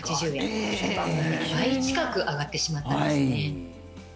倍近く上がってしまったんですね。